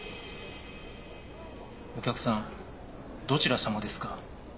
お客さんどちら様ですか？